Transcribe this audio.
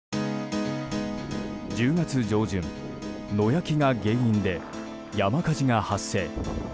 １０月上旬、野焼きが原因で山火事が発生。